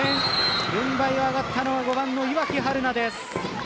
軍配が上がったのは５番の岩城遥南です。